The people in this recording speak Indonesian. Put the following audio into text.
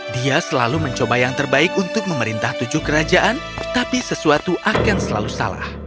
dia selalu mencoba yang terbaik untuk memerintah tujuh kerajaan tapi sesuatu akan selalu salah